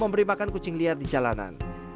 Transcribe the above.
memberi makan kucing liar di jalanan